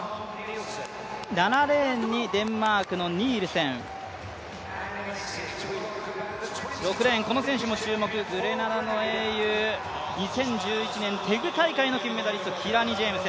７レーンにデンマークのニールセン６レーン、この選手も注目、グレナダの英雄テグ大会のキラニ・ジェームス。